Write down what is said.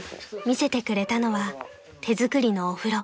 ［見せてくれたのは手作りのお風呂］